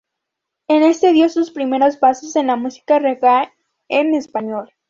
En este dio sus primeros pasos en la música Reggae en Español.